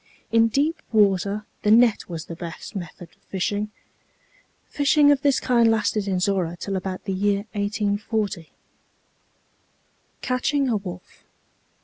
In deep water the net was the best method of fishing. Fishing of this kind lasted in Zorra till about the year 1840. CATCHING A WOLF.